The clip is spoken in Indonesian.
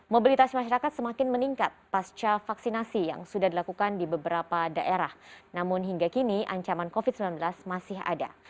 mobilitas masyarakat semakin meningkat pasca vaksinasi yang sudah dilakukan di beberapa daerah namun hingga kini ancaman covid sembilan belas masih ada